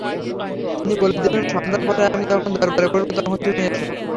তিনি বলে দিলেন, সন্ধ্যার পরে আমি যখন দরবারে বসব তখন তুমি এসো।